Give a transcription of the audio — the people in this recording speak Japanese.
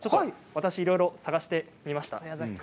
私いろいろ探してみました。